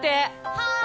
はい！